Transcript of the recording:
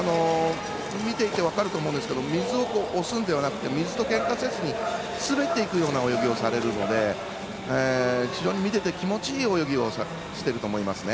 見ていて分かると思うんですが水を押すのではなくて水とけんかせずに滑っていくような泳ぎをされるので非常に見ていて気持ちいい泳ぎをしていると思いますね。